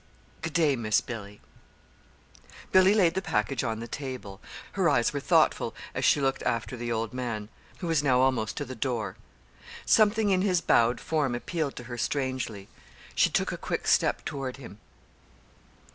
"Good day, Miss Billy." Billy laid the package on the table. Her eyes were thoughtful as she looked after the old man, who was now almost to the door. Something in his bowed form appealed to her strangely. She took a quick step toward him.